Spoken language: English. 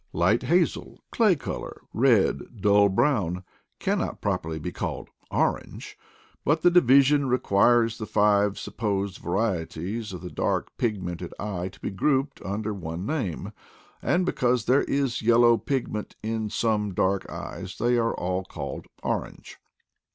Light hazel, clay color, red, dull brown, cannot prop erly be called orange ; but the division requires the five supposed varieties of the dark pigmented eye to be grouped under one name, and because there is yellow pigment in some dark eyes they are all called orange.